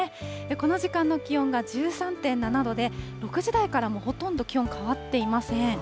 この時間の気温が１３．７度で、６時台からもうほとんど気温変わっていません。